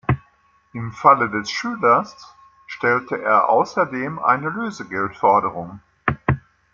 Im Fall des Schülers stellte er außerdem eine Lösegeldforderung.